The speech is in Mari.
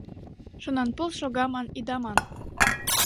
Шонанпыл шога ман ида ман -